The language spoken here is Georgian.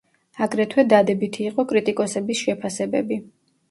აგრეთვე დადებითი იყო კრიტიკოსების შეფასებები.